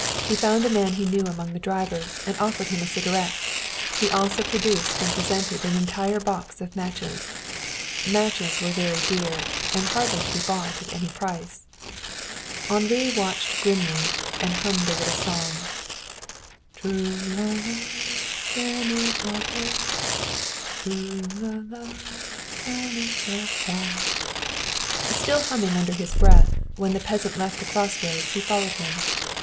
He found a man he knew among the drivers and offered him a cigarette. He also produced and presented an entire box of matches. Matches were very dear, and hardly to be bought at any price. Henri watched grimly and hummed a little song: "Trou la la, çà ne va guère; Trou la la, çà ne va pas." Still humming under his breath, when the peasant left the crossroads he followed him.